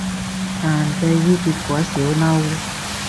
但對於結果少嬲